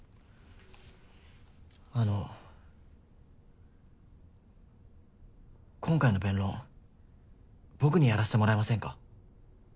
あの今回の弁論僕にやらせてもらえませんか？